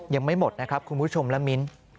ยังไม่หมดนะครับคุณผู้ชมและมิ้น